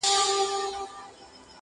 ستا قاتل سي چي دي زړه وي په تړلی -